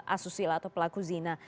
asusila atau pelaku zina